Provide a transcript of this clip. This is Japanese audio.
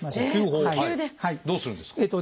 どうするんですか？